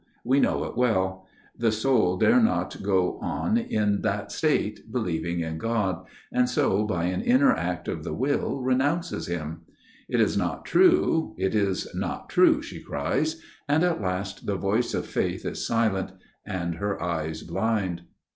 We know it well. The soul dare not go on in that state, believing in God ; and so by n inner act of the will renounces Him. It is not true, it is not true, she cries ; and at last the voice of faith is silent, and her eyes blind."